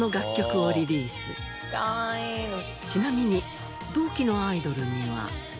ちなみに同期のアイドルには。